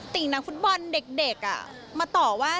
่งนักฟุตบอลเด็กมาต่อว่า